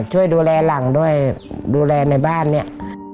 ช่วยดูแลหลังด้วยดูแลในบ้านเนี่ย